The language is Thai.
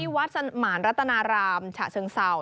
ที่วัดสมารรถนารามฉะเชิงเซา